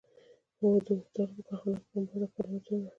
هو د اوبدلو په کارخانه کې پنبه د کار موضوع ده.